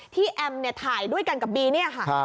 แอมถ่ายด้วยกันกับบีเนี่ยค่ะ